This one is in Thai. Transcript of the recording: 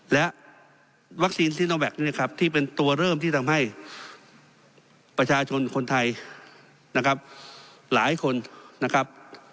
และวัคซีนซีโนแวคเนี่ยครับที่เป็นตัวเริ่มที่ทำให้ประชาชนคนไทยนะครับหลายคนนะครับ